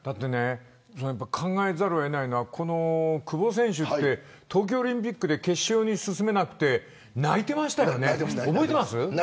考えざるを得ないのはこの久保選手って東京オリンピックで決勝に進めなくて泣いてましたよね、覚えてます。